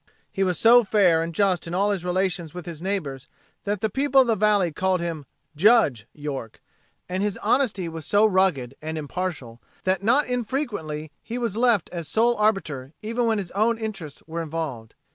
He was so fair and just in all relations with his neighbors that the people of the valley called him "Judge" York; and his honesty was so rugged and impartial that not infrequently was he left as sole arbiter even when his own interests were involved.